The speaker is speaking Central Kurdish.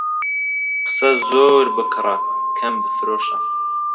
قسە زۆر بکڕە، کەم بفرۆشە.